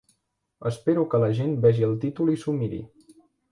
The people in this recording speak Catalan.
Espero que la gent vegi el títol i s'ho miri.